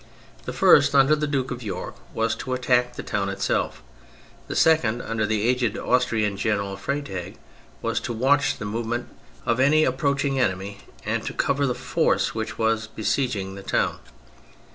The first, under the Duke of York, was to attack the town itself; the second, under the aged Aus trian general, Freytag, was to watch the move ment of any approaching enemy and to cover the force which was besieging the town.